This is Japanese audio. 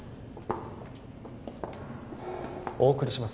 お送りします